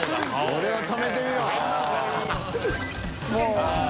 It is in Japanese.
「俺を止めてみろ」王林）